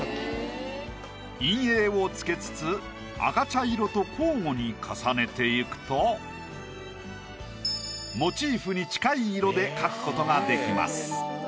陰影をつけつつ赤茶色と交互に重ねていくとモチーフに近い色で描くことができます。